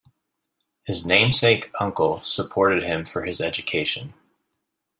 His namesake uncle supported him for his education.